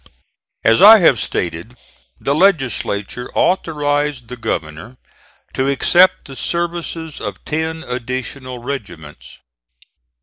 As I have stated, the legislature authorized the governor to accept the services of ten additional regiments.